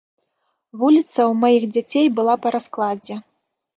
Вуліца ў маіх дзяцей была па раскладзе.